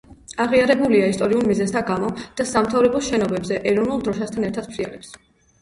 აღიარებულია ისტორიულ მიზეზთა გამო და სამთავრობო შენობებზე ეროვნულ დროშასთან ერთად ფრიალებს.